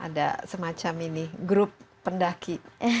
ada semacam ini grup pendaki